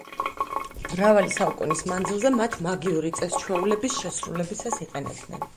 მრავალი საუკუნის მანძილზე მათ მაგიური წეს-ჩვეულების შესრულებისას იყენებდნენ.